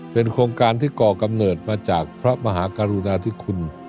เป็นโครงการที่ก่อกำเนิดมาจากพระมหากรุณาธิคุณ